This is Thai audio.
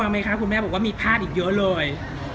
ไหมคะคุณแม่บอกว่ามีภาพอีกเยอะเลย